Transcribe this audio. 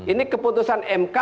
ini keputusan mk